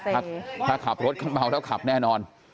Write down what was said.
ถ้าขับรถเมาแล้วขับแน่นอน